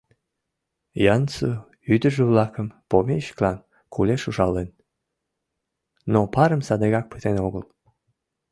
Ян-Су ӱдыржӧ-влакым помещиклан кулеш ужален, но парым садыгак пытен огыл.